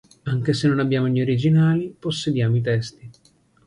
Anche se non abbiamo gli originali, possediamo i testi.